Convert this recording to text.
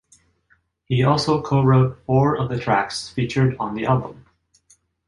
He also co-wrote four of the tracks featured on the album.